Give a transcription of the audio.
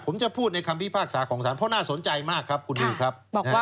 ผมจะพูดในคำพิพากษาของศาลเพราะน่าสนใจมากครับคุณนิวครับ